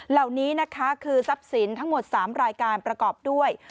เหล่านี้นะคะคือทรัพย์สินทั้งหมด๓รายการประกอบด้วย